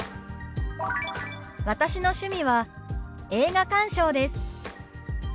「私の趣味は映画鑑賞です」。